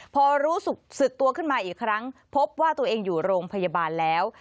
พอรู้สึกตัวขึ้นมาอีกครั้งพบว่าตัวเองอยู่โรงพยาบาลแล้ว